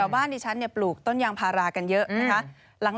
บ้านดิฉันปลูกต้นยางพารากันเยอะนะคะ